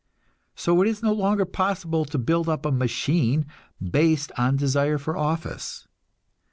So it is no longer possible to build up a "machine" based on desire for office.